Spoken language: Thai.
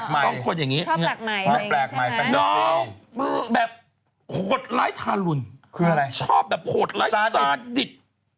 แปลกใหม่ชอบแปลกใหม่แบบโหดร้ายทาลุนชอบแบบโหดร้ายซาดิด